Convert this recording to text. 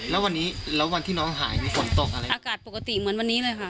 แล้ววันนี้แล้ววันที่น้องหายมีฝนตกอะไรอากาศปกติเหมือนวันนี้เลยค่ะ